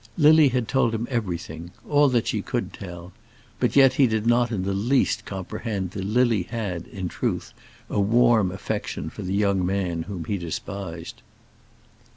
Lily had told him everything, all that she could tell; but yet he did not in the least comprehend that Lily had, in truth, a warm affection for the young man whom he despised.